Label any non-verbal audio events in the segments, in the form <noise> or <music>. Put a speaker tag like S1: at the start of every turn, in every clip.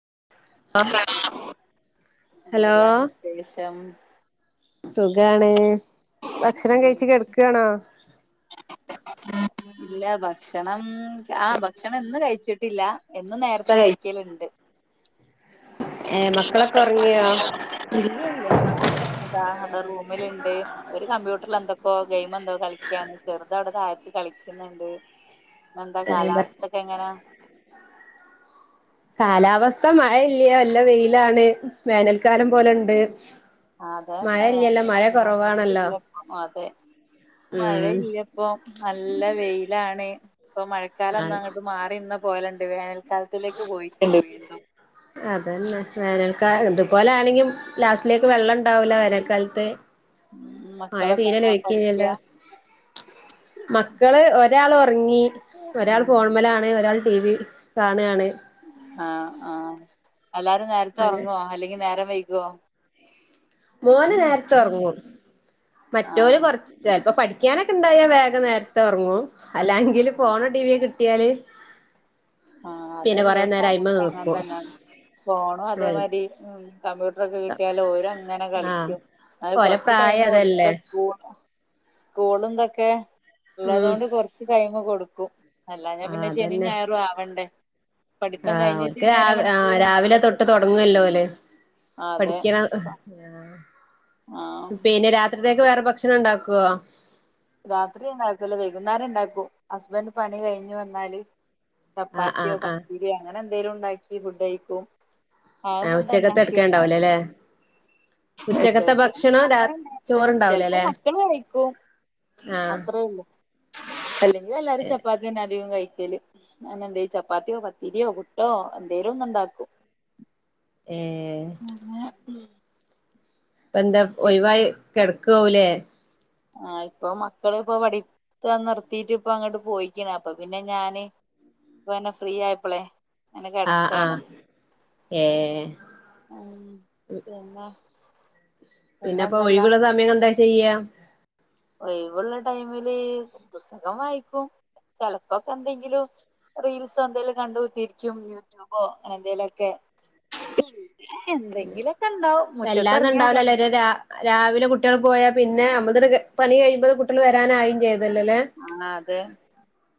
S1: അ
S2: ആഹ്
S1: <unintelligible>
S2: hello
S1: എന്തെല്ലാം വിശേഷം
S2: സുഖാണ് ഭക്ഷണം കഴിച്ച് കിടക്കാണോ
S1: ഇല്ല ഭക്ഷണം ആ ഭക്ഷണം ഇന്നു കഴിച്ചിട്ടില്ല എന്നും നേരത്തെ കഴിക്കലുണ്ട്
S2: ഏഹ് മക്കളൊക്കെ ഉറങ്ങിയോ
S1: ഇല്ലില്ല <unintelligible> ന്ന റൂമിലുണ്ട് ഓര് കമ്പ്യൂട്ടറിൽ എന്തൊക്കെയോ ഗെയിം എന്തോ കളിക്കാണ് ചെറുത് അവിടെ താഴത്ത് കളിക്കുന്നുണ്ട് എന്താ
S2: ഏഹ്
S1: കാലാവസ്ഥൊക്കെ എങ്ങനാ
S2: കാലാവസ്ഥ മഴ ഇല്ല്യോ നല്ല വെയിലാണ് വേനൽക്കാലം പോലുണ്ട്
S1: അതെന്ന വേനലാണ്
S2: കുറവാണല്ലോ
S1: മഴയില്ലപ്പം അതെ മഴ
S2: ഉം
S1: ഇല്ലപ്പം നല്ല വെയിലാണ് ഇപ്പൊ മഴക്കാലം
S2: ആഹ്
S1: അന്നങ്ങട്ട് മാറിനിന്ന പോലണ്ട് വേനൽക്കാലത്തില് പോയിട്ടല്ലേ വീണ്ടും
S2: ക്ക ഇതുപോലെ ആണെങ്കി ലാസ്റ്റിലേക്ക് വെള്ളം ഉണ്ടാവില്ല വേനൽക്കാലത്ത്
S1: ഉം
S2: ആയ
S1: മക്കളൊക്കെ
S2: തീനല്ല
S1: എന്നാ
S2: വെക്കല്ലോ
S1: പഠിക്ക
S2: മക്കള് ഒരാൾ ഒറങ്ങി ഒരാൾ
S1: ഉം
S2: ഫോൺമേലാണ് ഒരാൾ ടി വി കാണാണ്
S1: ആ ആ എല്ലാരും നേരത്തെ
S2: അങ്ങനെ
S1: ഒറങ്ങുവോ അല്ലെങ്കി നേരം വയ്കോ
S2: മോന് നേരത്തെ ഒറങ്ങും മറ്റോര്
S1: ആഹ്
S2: കൊറച്ച് ചെലപ്പോ പഠിക്കും ഞാനൊക്കെണ്ടായ വേഗം നേരത്തെ ഉറങ്ങും അല്ല എങ്കില് പോണ ടി വിയ കിട്ട കിട്ടിയാല്
S1: ആ
S2: പിന്നെ കൊറേ നേരം
S1: അതല്ലോട്ത്തും
S2: അയിമെ
S1: അങ്ങെ
S2: നിക്കും
S1: തന്നെയാണ് ഫോണും അതേമാരി കമ്പ്യൂട്ടർ ക്കെ കിട്ടിയാല് ഓരങ്ങനെ
S2: ആഹ്
S1: കളിക്കും അ
S2: ഓലെ
S1: കൊറച്ച് ടൈം
S2: പ്രായം അതല്ലേ
S1: കൊടുത്തി സ്‌കൂ സ്കൂള എന്തൊക്കെ
S2: ഉം
S1: ഉള്ളതുകൊണ്ട് കുറച്ച് കൈമ് കൊടുക്കും ക്കും അല്ല ഞാ പിന്നെ ശനിം ഞായറും ആ
S2: ആ ഓര്ക്ക് ആ
S1: അരമണിക്കൂർ മാത്രം
S2: രാവിലെ തൊട്ട്
S1: കൊടുക്കും
S2: തൊടങ്ങല്ലോ ഓല്
S1: അതെ
S2: പഠിക്കാണം ആ
S1: ആഹ്
S2: പിന്നെ രാത്രി ത്തേക്ക് വേറെ ഭക്ഷണം ഉണ്ടാക്കൊ
S1: രാത്രി ഉണ്ടാക്കൂല്ല വൈകുന്നേരം ഉണ്ടാക്കും ഹസ്ബൻഡ് പണി കഴിഞ് വന്നാല്
S2: ആഹ്
S1: ചപ്പാത്തിയോ
S2: ആഹ് ആഹ്
S1: പത്തീരിയോ അങ്ങനെ ന്തേലുണ്ടാക്കി ഫുഡ് കഴിക്കും
S2: ആ ഉച്ചക്കത്ത് എടുക്കണ്ടാവ്ല ല്ലേ
S1: ഉച്ചക്കത്തെ അങ്ങനെണ്ടായില്ല ചിലപ്പോ
S2: ചോറുണ്ടാവൂലല്ലേ
S1: മക്കള് കഴിക്കും
S2: ആഹ്
S1: അത്രള്ളൂ അല്ലെ ഇവിടെല്ലാരും
S2: ഏഹ്
S1: ചപ്പാത്തി തന്ന അധികം കഴി ല് അനെ എന്ത ചപ്പാത്തിയോ പത്തിരിയോ പുട്ടോ എന്തേലും ഒന്ന് ഉണ്ടാക്കും
S2: ഏ
S1: ഉം
S2: ഇപ്പ എന്താ ഒഴിവായി കിടക്ക കൗലേ
S1: ആ ഇപ്പൊ മക്കളിപ്പൊ പഠിത്ത നിർത്തിട്ട് ഇപ്പ അങ്ങട്ട് പോയിക്കണ അപ്പൊ പിന്നെ ഞാന് ഇപ്പന്നെ ഫ്രീ ആയപ്പോളെ അനെ
S2: ആഹ്
S1: കിടക്കയാണ്
S2: ആഹ് ഏഹ് പിന്നെപ്പൊ ഒഴിവുള്ള സമയം ഇങ്ങളെന്താ ചെയ്യാ
S1: ഒഴിവുള്ള ടൈമില് പുസ്തകം വായിക്കും ചെലപ്പോക്കെ എന്തെങ്കിലും റീൽസോ എന്തേലും കണ്ട് കുത്തിരിക്കും യൂട്യൂബോ അങ്ങനെ എന്തേലൊക്കെ എന്തെങ്കിലൊക്കെ ഉണ്ടാവും
S2: വല്ലാന്നും
S1: മുറ്റത്തിറങ്ങിയാ പണി
S2: ഉണ്ടാവിലല്ലോ രാവിലെ കുട്ടികൾ പോയാ പിന്നെ നമ്മടത് പണി കഴിയുമ്പം കുട്ടികള് വരാനായില്ലേ
S1: ആ അതെ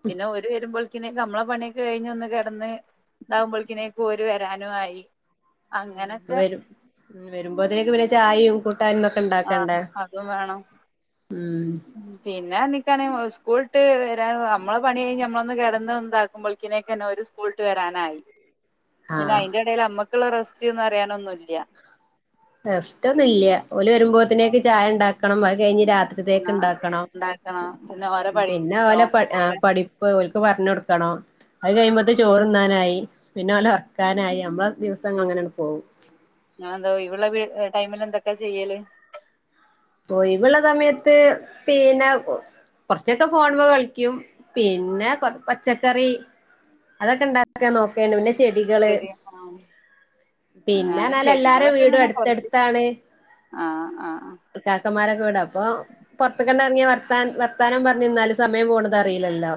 S1: പിന്നെ ഓര് വരുമ്പോൾ നമ്മളെ പണിയൊക്കെ കഴിഞ്ഞ് ഒന്ന് കിടന്ന് ഇണ്ടാവുമ്പോഴേക്കിനെ പോര് വരാനു ആയി അങ്ങനൊക്കെ
S2: വരും വരുമ്പോത്തേക്ക് പിന്നെ ചായയും ട്ടാനും തൊക്കെ
S1: ആഹ്
S2: ഇണ്ടാക്കണ്ടേ ഉം
S1: പിന്ന എനിക്കാണെങ്കി സ്കൂളിട്ട് വരാ നമ്മള് പണി കഴിഞ്ഞ് നമ്മളൊന്ന് കിടന്ന് ഒന്ന് ഇതാക്കുമ്പോളേക്കിനേക്ക് തന്നെ ഓര് സ്കൂളിട്ട് വരാനായി പിന്നെ
S2: ആഹ്
S1: അയിന്റെ ഇടേൽ നമ്മ നമ്മക്കുള്ള റെസ്റ്റൂന്ന് പറയാനൊന്നുല്ല്യ
S2: റെസ്റ്റൊന്നും ഇല്ല്യ ഓല് വരുമ്പോത്തനേക്ക് ചായ ഉണ്ടാക്കണം അത് കഴിഞ്ഞ് രാത്രിത്തേക്ക്
S1: ആഹ്
S2: ഇണ്ടാക്കണം
S1: ഉണ്ടാക്കണം പിന്നെ ഓരെ
S2: പിന്നെ
S1: പഠിത്തം
S2: ഓലെ പഠി ആഹ്
S1: ഓരെ
S2: പഠിപ്പ് ഓൽ ക്ക് പറഞ്ഞ് കൊടുക്കണം അത് കഴിയുമ്പോത്തേന് ചോറുണ്ണാനായി പിന്നെ ഓല് ഒറക്കാനായി നമ്മള്
S1: ഉം <unintelligible> ഇവടെ വീ ടൈമിൽ എന്തൊക്കെയാ ചെയ്യല്
S2: ഒയിവുള്ള സമയത്ത് പിന്നെ കൊറച്ചൊക്കെ ഫോണിമ്മേ കളിക്കും പിന്നെ പച്ചക്കറി അതൊക്കെ ഉണ്ടാക്കാ നോക്കേണ്ട് പിന്നെ ചെടികള്
S1: ചെടി ആഹ് ഞാന്
S2: പിന്നെന്നാല് എല്ലാരെ
S1: ചെടികളൊക്കെ
S2: വീടും
S1: ഇങ്ങനെ കുറച്ച്
S2: അടുത്തടുത്താണ്
S1: ആഹ് ആഹ്
S2: കാക്കന്മാരൊക്കെ വീട് അപ്പൊ പൊറത്ത്ക്കങ്ങ് എറങ്ങിയാ ന വർത്താൻ വർത്താനം പറഞ്ഞു നിന്നാല് സമയം പോണതറിയില്ലല്ലോ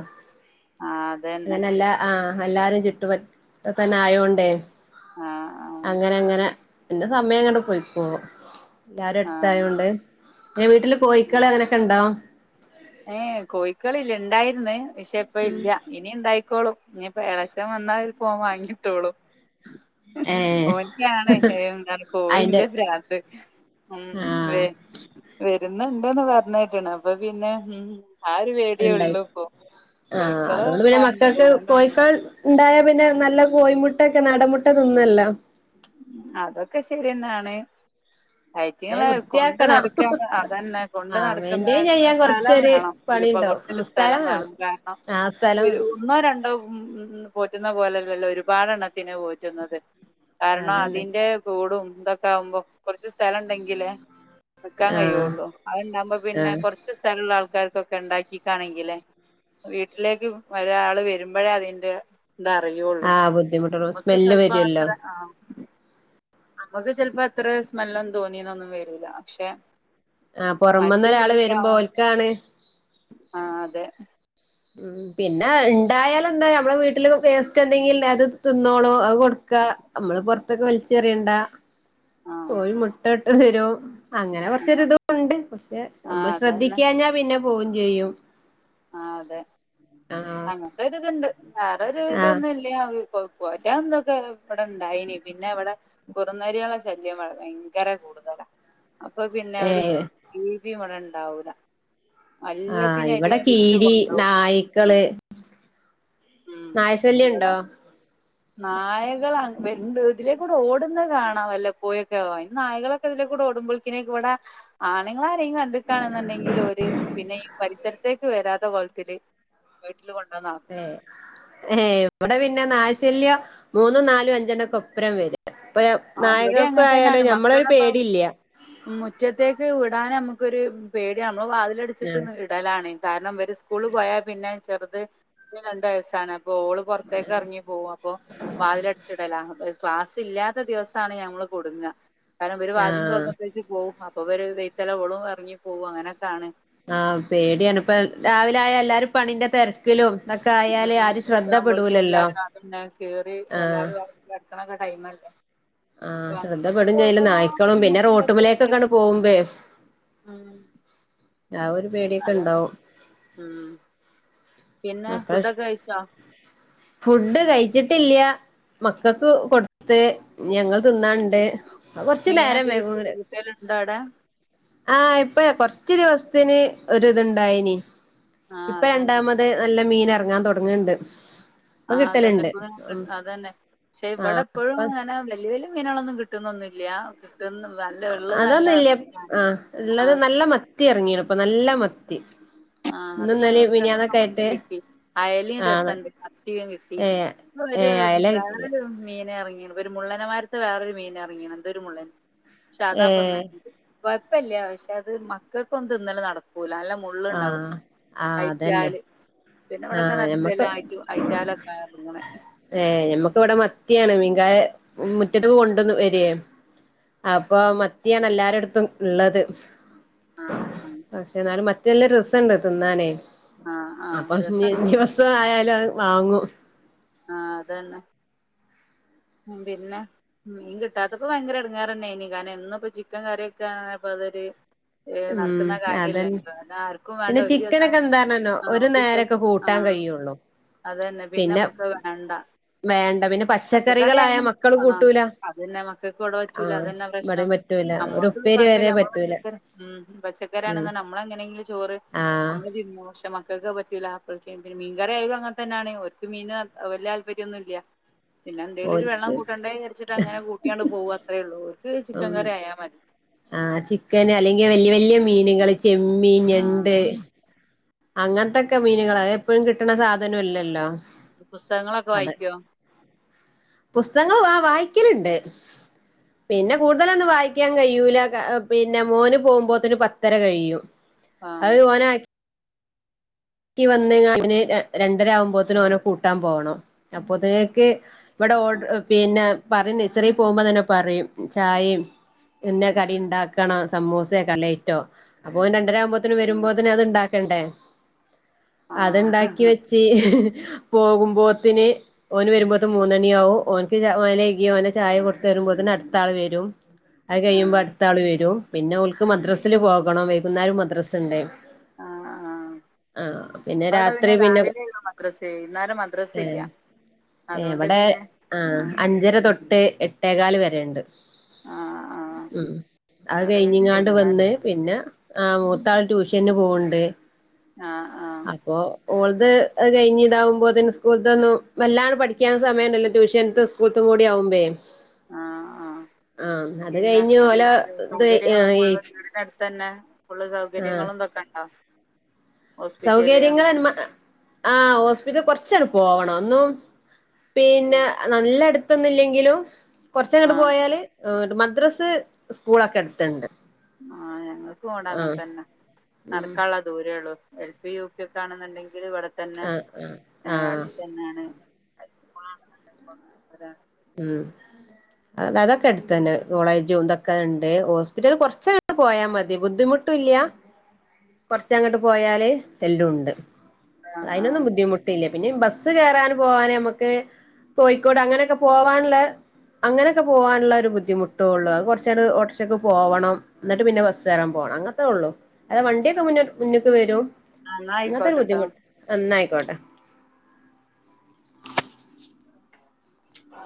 S1: ആഹ് അതന്നെ
S2: അങ്ങനല്ല ആഹ് എല്ലാരും ചുറ്റുവട്ടത്ത് തന്നെ ആയോണ്ടേ
S1: ആഹ് ആഹ്
S2: അങ്ങനെ അങ്ങനെ പിന്നെ സമയം അങ്ങട്ട് പൊയ്ക്കോളും ല്ലാരു എട് ത്ത
S1: ആഹ്
S2: ആയോണ്ട് പിന്നെ വീട്ടില് കോഴിക്കള് അങ്ങനെയൊക്കെ ഉണ്ടാവും
S1: ഏ കോയിക്കള് ഇല്ല ഇണ്ടായിരുന്നേ പക്ഷെ ഇപ്പം ഇല്ല ഇനി ഉണ്ടായിക്കോളും ഇനിപ്പം ഇളയച്ഛൻ വന്നാല് ഇപ്പം വാങ്ങിട്ടൊളും
S2: ഏഹ്
S1: ഓന്ക്കാണ് എന്താണ്
S2: അയിന്റെ
S1: കോയിന്റെ ഭ്രാന്ത് ഉം
S2: ആഹ്
S1: വെ വെരും ഇന്നുണ്ടെന്ന് പറഞ്ഞേക്ക്ണ് അപ്പൊ പിന്നെ ഉം ആ ഒരു പേടിയേ
S2: ഉണ്ടായി
S1: ഉള്ളൂ ഇപ്പൊ
S2: ആഹ്
S1: കോഴിക്കള്
S2: അതുകൊണ്ട് പിന്നെ മക്കൾക്ക്
S1: വാങ്ങിയിടും
S2: കോഴിക്കൾ ഇണ്ടായാ പിന്നെ നല്ല കോയിമുട്ട ഒക്കെ നാടൻമുട്ട തിന്നല്ലോ
S1: അതൊക്കെ ശരി തന്നാണ്
S2: പക്ഷേ
S1: അതിറ്റിങ്ങളെ കൊണ്ട്
S2: വൃത്തിയാക്കണം
S1: നടക്കാൻ അതന്നെ കൊണ്ട്
S2: ആഹ് മെയിന്റെയിൻ
S1: നടക്കുന്ന
S2: ചെയ്യാൻ
S1: സ്ഥലം
S2: കൊറച്ചൊരു
S1: വേണം ഇതിപ്പ കുറച്ചൊരു
S2: പണിയുണ്ടാവും
S1: സ്ഥലം വേണം കാരണം
S2: ആഹ് സ്ഥലം
S1: ഒരു
S2: വേണം
S1: ഒന്നോ രണ്ടോ ഉം ഉം പോറ്റുന്ന പോലെയല്ലല്ലോ ഒരുപാട് എണ്ണത്തിനെ പോറ്റുന്നത് കാരണം
S2: അതന്നെ
S1: അതിന്റെ കൂടും ഇതൊക്കെ ആകുമ്പോ കൊറച്ച് സ്ഥലം ഉണ്ടെങ്കില് വെക്കാൻ
S2: ആഹ്
S1: കഴിയുള്ളൂ അതുണ്ടാകുമ്പോ പിന്നെ
S2: ആഹ്
S1: കുറച്ച് സ്ഥലമുള്ള ആൾ ആൾക്കാർക്കൊക്കെ ഉണ്ടാക്കിക്കാണെങ്കിലേ വീട്ടിലേക്ക് ഒരാള് വരുമ്പൊഴേ അതിന്റെ ഇതറിയോള്ളൂ
S2: ആഹ് ബുദ്ധിമുട്ടുള്ളൂ
S1: നമക്ക്
S2: സ്മെല്ല്
S1: ചെൽപ്പോ
S2: വരുവല്ലോ
S1: അത്രെ ആഹ് നമ്മക്ക് ചെറുപത്തിൽ അത്ര സ്മെല്ലൊന്ന് തോന്നീന്നൊന്നും വരൂല്ല അക്ഷേ
S2: ആഹ് പൊറമന്നൊരാള് വരുമ്പോ ഓൽക്കാണ്
S1: ആഹ് അതെ
S2: ഉം പിന്ന ഇണ്ടായാലെന്താ ഞമ്മള വീട്ടില് വേസ്റ്റ് എന്തെങ്കിൽണ്ടായാ അത് തിന്നോളോ അത് കൊടുക്കാ നമ്മള് പൊറത്തേക്ക് വലിച്ചെറിയണ്ട
S1: ആഹ്
S2: കോയി മുട്ട ഇട്ട് തരും അങ്ങനെ
S1: ആഹ്
S2: കുറച്ചൊരിതും ഉണ്ട് പക്ഷെ നമ്മള്
S1: ആഹ് അതന്നെ
S2: ശ്രദ്ധിക്ക്യാഞ്ഞാ പിന്നെ പ് പോവും ചെയ്യും
S1: ആഹ് അതെ
S2: ആഹ്
S1: അങ്ങനത്തൊരിത്ണ്ട് വേറൊരു
S2: ആഹ്
S1: ഇതൊന്നും ഇല്ല്യ അവ് പോ പോറ്റാന്തൊക്കെ ഇവിടെ ഇണ്ടായിനി പിന്നെ ഇവിടെ കുറുനരിയളെ ശല്യം വള ഭയങ്കര കൂടുതലാ അപ്പൊ പിന്നെ
S2: ഏ
S1: ഒരു ജീവിയും ഇവിടെണ്ട് ഉണ്ടാവൂല
S2: ആഹ് ഇവടെ കീര് ഈ
S1: കൊണ്ടോവും ഉം
S2: നായ്ക്കള് നായശല്ല്യണ്ടോ
S1: നായകളങ്ങ് വര് <unintelligible> ഇതിലേക്കൂടെ ഓടുന്നത് കാണാം വല്ലപ്പോയൊക്കെ ഓ അയിന് നായകളൊക്കെ ഇതിലേക്കൂടെ ഓടുമ്പോൾക്കിന് ഇവടെ ആണുങ്ങളാര് കണ്ട്ക്കാണെന്ന്ണ്ടെങ്കിലോര് പിന്നെ ഈ പരിസരത്തേക്ക് വരാത്ത കോലത്തില് വീട്ട്
S2: ഏ ഏ ഇവിടെ പിന്നെ നായ്ശല്യം മൂന്നും നാലും അഞ്ചെണ്ണൊക്കെ ഒപ്പരം വര്
S1: ആഹ് ഇവിടേ അങ്ങൻതന്നാണ്
S2: ഞമ്മളൊരു
S1: മക്കളെ ഇപ്പ
S2: പേടില്ല
S1: മുറ്റത്തേക്ക് വിടാനമ്മക്ക് കൊരപേടിയാണ് ഇപ്പൊ
S2: ആഹ്
S1: വാതിലടിച്ചിട്ട്ങ്ങ് ഇടലാണ് കാരണം ഇവര് സ്കൂള്ള് പോയാ പിന്നെ ചെറുത് ന് രണ്ടു വയസ്സാണ് അപ് പോള് പുറത്തേക്കെറങ്ങി പോവും അപ്പൊ വാതിലടച്ചിടലാ അപ്പളേക്ക് ക്ലാസില്ല്യാത് ദിവസാണ് ഞമ്മള് കുടുങ്ങ്ആ കാരണം ഇവര് വാതലും
S2: ആഹ്
S1: തൊറന്നിട്ടേച്ച് പോവും അപ് പ്പോവര് വെയ്ത്തല ഓളും എറങ്ങി പോവും അങ്ങനൊക്കാണ്
S2: ആഹ് പേടിയാണിപ്പ രാവിലായാ എല്ലാരും പണിന്റ തെരക്കിലും
S1: <unintelligible> ഉച്ചയാവുമ്പൊള്ക്കും എല്ലാരും <unintelligible> കേറി
S2: ആഹ്
S1: എല്ലാരും കെടക്ക്ണൊക്ക ടൈമൽ
S2: ആഹ് ശ്രദ്ധ പെടും ചെയ്യൂലാ. നായ്ക്കളും പിന്നെ
S1: ബുദ്ധിമുട്ടുണ്ടൊക്കെ ഉണ്ട്
S2: റോട്ടുമലേക്കൊക്കാണ്ട് പോകുമ്പേ
S1: ഉം
S2: ആ ഒരു പേടിയൊക്കെ
S1: അതെ
S2: ഇണ്ടാവും.
S1: ഉം പിന്നെ
S2: മക്കൾ <unintelligible>
S1: ഫുഡൊക്കെ കഴിച്ചോ
S2: ഫുഡ് കഴി ച്ചിട്ടില്ല. മക്കൾക്ക് കൊടുത്ത് ഇഞങ്ങൾ തി ന്നാൻണ്ട്. അത് കൊറച്ച് നേരം
S1: മീനൊക്കെ
S2: വൈകും.
S1: കിട്ടി കിട്ടലുണ്ടോ അവിടെ
S2: ആ ഇപ്പെ കൊർ ഒത്തിരി ദിവസത്തിന് ഒരുതുണ്ടായിനി.
S1: ആഹ് അതന്നാ
S2: നല്ല മീന് എറങ്ങാൻ തുടങ്ങണ്ട് ഇപ്പൊ
S1: ആഹ് അതന്നെ
S2: കിട്ടലുണ്ട്
S1: ഇപ്പ
S2: ഉം
S1: <unintelligible> അത് തന്നെ പക്ഷെ ഇവിടെ
S2: ആഹ്
S1: ഇപ്പോഴും
S2: അപ്പ
S1: ഇങ്ങനെ വല്ല്യ വല്ല്യ ങ്ങനേളൊന്നും കിട്ടുന്നൊന്നൂല്ല്യാ ഒക്കെ
S2: ആഹ് അതൊന്നുംല്ല്യാ ആ
S1: ആ
S2: ഇള്ളത് നല്ല മത്തി ഇറങ്ങീണ് പ്പം നല്ല മത്തി
S1: ആഹ് അത്
S2: ഇന്നും ഇന്നലിം
S1: ഞങ്ങൾക്ക് രണ്ടു ദിവസം
S2: മിനിയാന്നൊക്കെ
S1: മുന്നേ
S2: ആയിട്ട്
S1: കിട്ടി അയലും
S2: ആണ്
S1: രസണ്ട് മത്തിയും കിട്ടി
S2: ഏഹ്
S1: പ്പം ഒരു
S2: ഏഹ് അയല കിട്ടില്ല
S1: വേറെരു മീന് എറങ്ങി ഒരു മുള്ളനെമാര്ത്തെ വേറൊരു മീനെറങ്ങിണ് എന്തോ ഒരു മുള്ളൻ ഷാദാപ്പന്ന്
S2: ഏഹ്
S1: കൊഴ പ്പില്ല്യ പക്ഷെ അത് മക്കക്കോന്നും തിന്നല് നടക്കൂ ഊലാ നല്ല മുള്ളുണ്ടാവും
S2: ആഹ് ആഹ് അതന്നെ
S1: അയറ്റാല് പിന്നെ ഇവിടെക്കെ
S2: ആഹ്
S1: നത്തല്
S2: ഞമ്മക്ക്
S1: അയിറ്റ് അയ്റ്റാലൊക്കെ എറങ്ങണേ
S2: ഏഹ് ഞമ്മക്കിവിടെ മത്തിയാണ് മീൻകാര മിറ്റത്തക്ക് കൊണ്ടന്ന് വരേ അപ്പൊ മത്തിയാണ് എല്ലാരടുത്തും ഇള്ളത്
S1: ആഹ് ആഹ്
S2: ത് നല്ല രസണ്ട് തിന്നാനേ
S1: ആഹ് ആഹ്
S2: അപ്പം ഞ്ഞ്
S1: രസണ്ട്
S2: ദിവസം ആയാലും ആ വാങ്ങും
S1: ആ അതന്നെ ഇം പിന്ന മീൻ കിട്ടാത്തപ്പ ഭയങ്കര എടുങ്ങാറ്ന്നെനി കാരണം എന്നും ഇപ്പം ചിക്കൻ കറിവെക്കാന്ന് അപ്പ അതൊരി ഏഹ്
S2: ഉം
S1: നടക്കുന്ന കാര്യല്ല
S2: അതന്നെ
S1: <unintelligible> അത് ആർക്കും വേണ്ട
S2: പിന്നെ
S1: ഒരു ദിവസം
S2: ചിക്കനൊക്കെ എന്താണന്നോ
S1: ആ ഒരു ദിവസ്
S2: നേരൊക്കെ
S1: ആ
S2: കൂട്ടാൻ കഴിയുള്ളൂ
S1: അത് തന്നെ
S2: പിന്നെ
S1: പിന്നമ്മക്ക് അത് വേണ്ട
S2: വേണ്ട പിന്നെ
S1: പച്ചക്കറി
S2: പച്ചക്കറികളായ
S1: ആയാലും
S2: മക്കള്
S1: ആ
S2: കൂട്ടൂല
S1: അതന്നെ മക്കക്ക് ഇവിടെ പറ്റൂല.
S2: ആഹ്
S1: അതന്നെ പ്രശ്നം.
S2: ഇവിടെയും പറ്റൂല ഒരു
S1: നമ്മക്ക്
S2: ഉപ്പേരി
S1: കൊയ്പ്പില്ല
S2: വരെ
S1: നമ്മള്
S2: പറ്റൂല
S1: പച്ചക്കറി ഉം ഉം പച്ചക്കറി
S2: ഉം
S1: ആണെന്നർന്ന നമ്മളെങ്ങനെങ്കിലും ചോറ്
S2: ആഹ്
S1: നമ്മള് തിന്നും. പക്ഷെ മക്കക്ക് അത് പറ്റൂല അപ്പൊഴക്കെയെങ്കിലും പിന്നെ മീൻകറിയായാലും അങ്ങനെ തന്നെയാണ് ഓർക്ക് മീനും എ വല്യ താല്പര്യോന്നും ഇല്ല. പിന്നെ എന്തേലും ഒരു വെള്ളം
S2: ഓൽക്ക്
S1: കൂട്ടേണ്ടേ വിജാരിച്ചിട്ട് അങ്ങനെ കൂട്ടിയാണ്ട് പോകും അത്രേയുള്ളൂ. ഓർക്ക് ചിക്കൻ കറി ആയാ മതി.
S2: ആ ചിക്കന് അല്ലെങ്കിൽ വല്യ വ ല്യ മീനുകള് ചെമ്മീൻ,
S1: ആഹ്
S2: ഞണ്ട് അങ്ങൻത്തൊക്കെ മീനുകള അത് എപ്പഴും കിട്ടണ സാധനോല്ലല്ലോ.
S1: പുസ്തകങ്ങളൊക്കെ വായിക്കുവോ?
S2: പുസ്തകങ്ങള് ആ വായിക്കലിണ്ട് പിന്നെ കൂടുതലൊന്നും വായിക്കാൻ കഴിയൂല. കാ പിന്നെ മോന് പോകുമ്പോത്തിന് പത്തര കഴിയും.
S1: ആഹ്
S2: അത് ഓനാ ക്ക് വന്ന ഓന് രണ്ടര ആകുമ്പോത്തിന് ഓനെ കൂട്ടാൻ പോവണം അപ്പോത്തിങ്ങക്ക് ഇവിടെ
S1: ആഹ്
S2: ഓഡ് പിന്നെ പറയും നേഴ്സറീ പോകുമ്പോ തന്നെ പറയും ചായേം ഇന്ന കടിണ്ടാക്കണം സമൂസേ കട്ലൈറ്റോ അപ്പൊ ഓൻ ര ണ്ടരാവുമ്പോത്തിന്
S1: ആഹ്
S2: വരുമ്പോത്തിന് അത്ണ്ടാ ക്കണ്ടേ? അത്ണ്ടാക്കി
S1: ആഹ്
S2: വെച്ച് പോകുമ്പോത്തിന് ഓന് വരുമ്പോത്ത മൂന്നണിയാവും ഓൻക്ക് ച മേലെയ്കി ഓന് ചായ കൊട്ത്തരുമ്പോത്തിന് അട്ത്താള് വരും അത് കഴിയുമ്പോ
S1: ആഹ്
S2: അട്ത്താള് വരും പിന്നെ ഓൽക്ക് മദ്രസ്സ്ല് പോകണം വൈകുന്നേരം മദ്രസ്സ്ണ്ട്
S1: ആഹ്
S2: ആഹ് പിന്നെ
S1: അവിടെ
S2: രാത്രി പിന്നെ
S1: രാവിലെയള്ള മദ്രസ വൈകുന്നേരം മദ്രസ ഇല്ല
S2: ഏ
S1: അതുകൊണ്ട്
S2: വടെ
S1: പിന്നെ
S2: ആഹ്
S1: ആ
S2: അഞ്ചര തൊട്ട് എട്ടേകാല് വരേണ്ട്
S1: ആ ആ
S2: ഉം അത്
S1: അവിടെ പിന്നെ
S2: കഴിഞ്ഞ്ങ്ങാണ്ട്
S1: വൈകുന്നേരം
S2: വന്ന്
S1: മദ്രസ
S2: പിന്നെ ആ താള് ട്യൂഷന് പോവ്ണ്ട്
S1: ആ ആ
S2: അപ്പൊ ഓൾ ത് അത് കഴ്ഞ്ഞിതാവുമ്പോത്തിന് സ്കൂളത്തൊന്നും വല്ലാതെ പഠിക്കാനൊന്നും സമയം ണ്ടല്ലോ ട്യൂഷൻത്തും സ്കൂൾത്തും കൂടി ആവുമ്പേ
S1: ആ ആ
S2: ആഹ് അത്
S1: പിന്നെ
S2: കഴിഞ്ഞു ഓല
S1: നല്ല
S2: ത്
S1: സൗകര്യങ്ങള
S2: എയി
S1: ഫുള്ള് വീടിന്റെ അടുത്ത് തന്നെ ഫുള്ള് സൗകര്യങ്ങളും തൊക്കെണ്ടോ
S2: സൗകര്യങ്ങള് ആ ഹോസ്പിറ്റല് കൊർച്ച് പോവണം ഒന്നും പിന്നെ
S1: ഉം.
S2: നല്ലേ ത്തുന്നില്ലെങ്കിലും
S1: ആ
S2: കൊർച്ചങ്ങോട്ട്
S1: ആ
S2: പോയാല് <unintelligible> മദ്രസ് സ്കൂളൊക്കെ അട്ത്ത്ണ്ട
S1: ആ ഞങ്ങക്കും ഓടങ്ങൻ തന്നെ
S2: ഉം
S1: നടക്കാനുള്ള ദൂരേ ഒള്ളു എൽപി, യു പി, യാണ്ന്നുണ്ടെങ്കില് ഇവിടെ തന്നെ
S2: ആ ആ ആ
S1: അട്ത്തെനെണ് ഹൈസ്കൂളണ്ന്ന്ണ്ടെങ്കി കൊർച്ചും പാടെ
S2: ഉം അ അതൊക്കെ എട്ത്തന്നെ കോളേജും ഇതൊക്കെ ഇണ്ട് ഹോസ്പിറ്റല് കൊർച്ചങ്ങട്ട് പോയാ മതി ബുദ്ധിമുട്ടും ഇല്ല കൊർച്ചങ്ങട്ട് പോയാല് എല്ലും ഉണ്ട്
S1: ആ ആ ആ.
S2: അയ്നൊന്നും ബുദ്ധിമുട്ടില്ല പിന്നെ ബസ്സ് കെറാൻ പോകാന് നമക്ക് കോഴിക്കോട് അങ്ങനെ പോവാന്ള്ളെ അങ്ങനെക്കെ പോവാനുള്ള ഒരു ബുദ്ധിമുട്ടോള്ളൂ അഹ് കോർചങ്ങട്ട് ഓട്ടർഷക്ക്‌ പോകണം ന്നട്ട് പിന്നെ ബസ്സ് ഏറാം പോണം അങ്ങൻത്തേ ഒള്ളു അത് വണ്ടിക്കെ മുന് മുന്ക്ക് വരും
S1: എന്നാ
S2: അങ്ങൻത്തെ ഒരു
S1: ആയിക്കോട്ടെട്ടോ
S2: ബുദ്ധിമുട്ട് എന്നാ അയ് <unintelligible>
S1: ആ